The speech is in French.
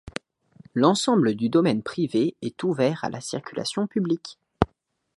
L'ensemble du domaine privé est ouvert à la circulation publique.